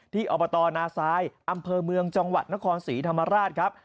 อบตนาซายอำเภอเมืองจังหวัดนครศรีธรรมราชครับ